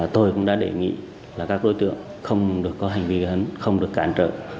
tôi cũng đã đề nghị các đối tượng không được có hành vi gắn không được cản trợ